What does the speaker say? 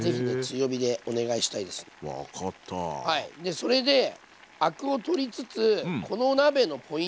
それでアクを取りつつこの鍋のポイントはですね